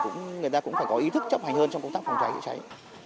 người ta cũng phải có ý thức chấp hành hơn trong công tác phòng cháy chữa cháy